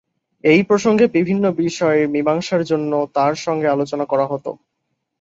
এই প্রসঙ্গে বিভিন্ন বিষয়ের মীমাংসার জন্য তাঁর সঙ্গে আলোচনা করা হত।